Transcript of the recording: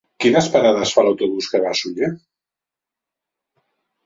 Quines parades fa l'autobús que va a Sunyer?